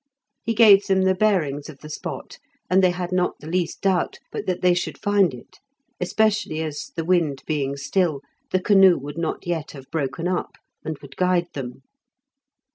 He gave them the bearings of the spot, and they had not the least doubt but that they should find it, especially as, the wind being still, the canoe would not yet have broken up, and would guide them.